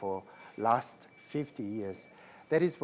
itulah mengapa kami masih